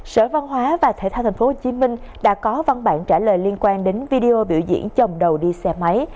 sở văn hóa và thể thao tp hcm đã có văn bản trả lời liên quan đến video biểu diễn chồng đầu đi xe máy